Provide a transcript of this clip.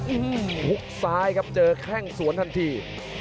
อื้อหือหลุกซ้ายครับเจอแค่งสวนทันที